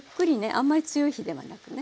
あんまり強い火ではなくね。